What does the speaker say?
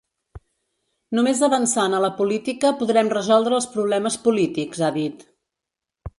Només avançant a la política podrem resoldre els problemes polítics, ha dit.